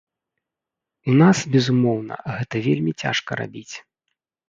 У нас, безумоўна, гэта вельмі цяжка рабіць.